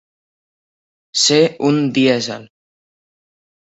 Ser un dièsel.